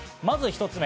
まず１つ目。